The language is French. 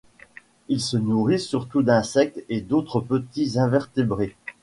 Il se nourrit surtout d'insectes et d'autres petits invertébrés.